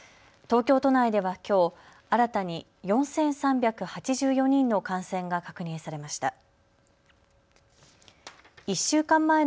東京都内ではきょう新たに４３８４人の感染が確認されました。